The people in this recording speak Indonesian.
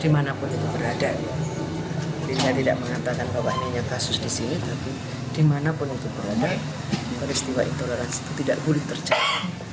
dimanapun itu berada dia tidak mengatakan bahwa ini hanya kasus di sini tapi dimanapun itu berada peristiwa intoleransi itu tidak boleh terjadi